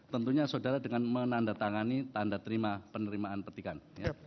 tentunya saudara dengan menandatangani tanda terima penerimaan petikan